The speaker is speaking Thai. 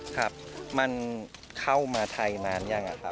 ครับมันเข้ามาไทยนานยังอะครับ